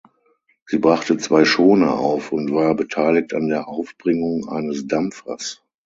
Sie brachte zwei Schoner auf und war beteiligt an der Aufbringung eines Dampfers.